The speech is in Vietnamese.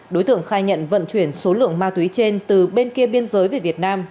đối tượng khai nhận vận chuyển số lượng ma túy trên từ bên kia biên giới về việt nam